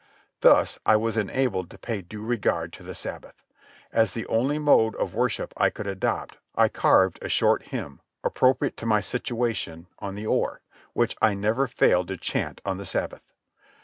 Thus I was enabled to pay due regard to the Sabbath. As the only mode of worship I could adopt, I carved a short hymn, appropriate to my situation, on the oar, which I never failed to chant on the Sabbath.